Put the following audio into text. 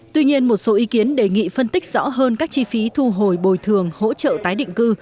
tuy nhiên một số ý kiến đề nghị phân tích rõ hơn các chi phí thu hồi bồi thường hỗ trợ tái định cư